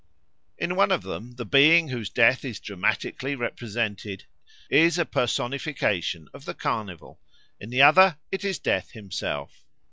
In one of them the being whose death is dramatically represented is a personification of the Carnival; in the other it is Death himself.